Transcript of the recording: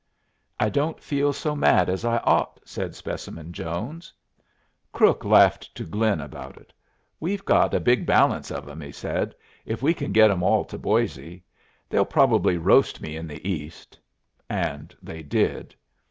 "I don't feel so mad as I ought," said Specimen Jones. Crook laughed to Glynn about it. "We've got a big balance of 'em," he said, "if we can get 'em all to Boisé. They'll probably roast me in the East." And they did.